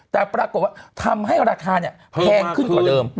แต่ปรากฏว่าทำให้ราคาแพงขึ้นกว่าเดิม